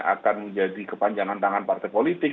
akan menjadi kepanjangan tangan partai politik